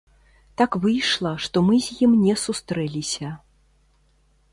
Так выйшла, што мы з ім не сустрэліся.